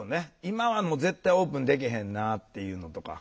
今はもう絶対オープンでけへんなっていうのとか。